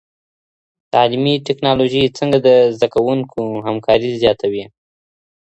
تعلیمي ټکنالوژي څنګه د زده کوونکو همکاري زیاتوي؟